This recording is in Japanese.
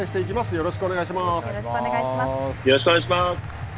よろしくお願いします。